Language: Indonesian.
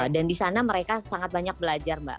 dan di sana mereka sangat banyak belajar mbak